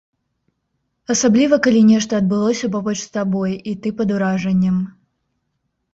Асабліва калі нешта адбылося побач з табой, і ты пад уражаннем.